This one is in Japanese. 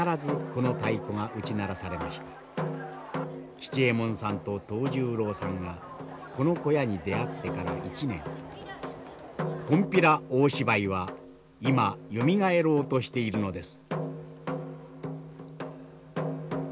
吉右衛門さんと藤十郎さんがこの小屋に出会ってから１年金毘羅大芝居は今よみがえろうとしているのです。